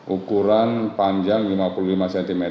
ukuran panjang lima puluh lima cm